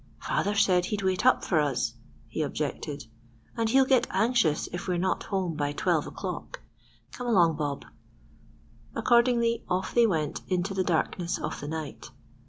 "Father said he'd wait up for us," he objected, "and he'll get anxious if we're not home by twelve o'clock.—Come along, Bob." Accordingly, off they went into the darkness of the night.